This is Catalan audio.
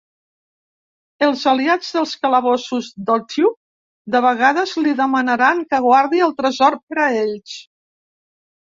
Els aliats dels calabossos d'Otyugh, de vegades, li demanaran que guardi el tresor per a ells.